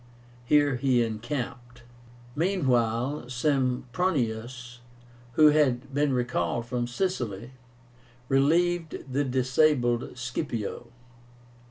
Here he encamped. Meanwhile Sempronius, who had been recalled from Sicily, relieved the disabled Scipio.